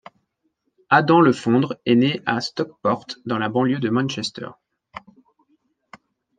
Adam le Fondre est né à Stockport, dans la banlieue de Manchester.